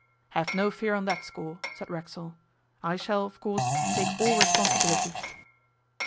'Have no fear on that score,' said Racksole. 'I shall, of course, take all responsibility.